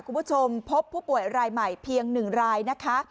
คุณผู้ชมพบผู้ป่วยรายใหม่เพียง๑รายนะคะ